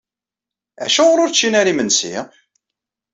Acuɣer ur ččin ara imensi?